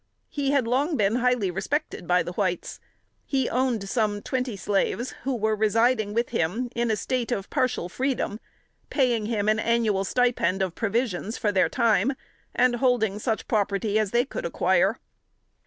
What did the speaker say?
He had long been highly respected by the whites. He owned some twenty slaves, who were residing with him in a state of partial freedom paying him an annual stipend of provisions for their time, and holding such property as they could acquire.